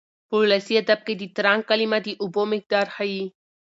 په ولسي ادب کې د ترنګ کلمه د اوبو مقدار ښيي.